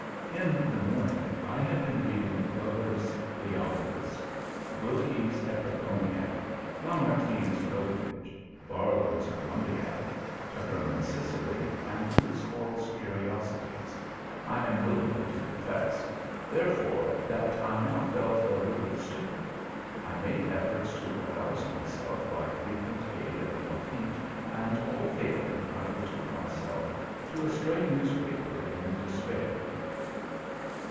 In the morning I had been reading Glover's Leonidas, Wilkie's Epigoniad, Lamartine's Pilgrimage, Barlow's Columbiad, Tuckerman's Sicily, and Griswold's Curiosities, I am willing to confess, therefore, that I now felt a little stupid. I made effort to arouse myself by frequent aid of Lafitte, and all failing, I betook myself to a stray newspaper in despair.